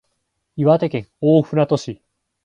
岩手県大船渡市